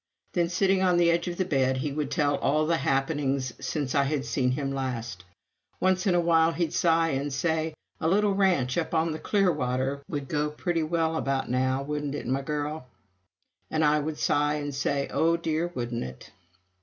Then, sitting on the edge of the bed, he would tell all the happenings since I had seen him last. Once in a while he'd sigh and say, "A little ranch up on the Clearwater would go pretty well about now, wouldn't it, my girl?" And I would sigh, and say, "Oh dear, wouldn't it?"